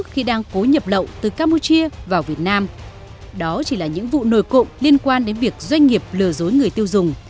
khi đang cố nhập lậu từ campuchia vào việt nam đó chỉ là những vụ nổi cộng liên quan đến việc doanh nghiệp lừa dối người tiêu dùng